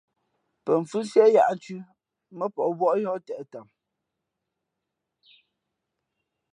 Pαfhʉ́siē yǎʼnthʉ̄ mά pαh wᾱʼ yǒh těʼ tam.